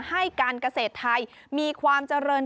ให้การเกษตรไทยมีความเจริญ